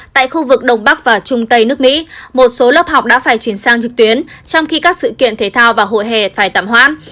tại khu vực đông bắc và trung tây nước mỹ một số lớp học đã phải chuyển sang trực tuyến trong khi các sự kiện thể thao và hội hè phải tạm hoãn